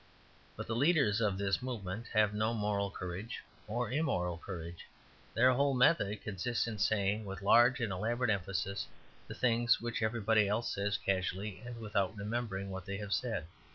But the leaders of this movement have no moral courage or immoral courage; their whole method consists in saying, with large and elaborate emphasis, the things which everybody else says casually, and without remembering what they have said.